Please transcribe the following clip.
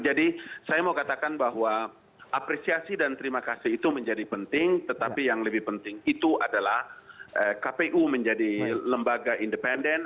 jadi saya mau katakan bahwa apresiasi dan terima kasih itu menjadi penting tetapi yang lebih penting itu adalah kpu menjadi lembaga independen